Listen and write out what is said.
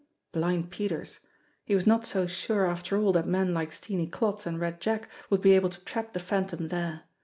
Blind Peter's ! He was not so sure after all that men like Steenie Klotz and Red Jack would be able to trap the Phantom there.